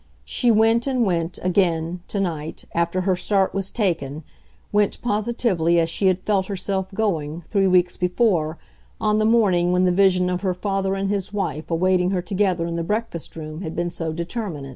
She went and went, again, to night, after her start was taken; went, positively, as she had felt herself going, three weeks before, on the morning when the vision of her father and his wife awaiting her together in the breakfast room had been so determinant.